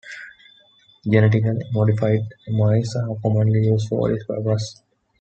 Genetically modified mice are commonly used for this purpose.